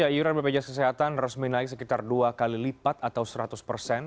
iuran bpjs kesehatan resmi naik sekitar dua kali lipat atau seratus persen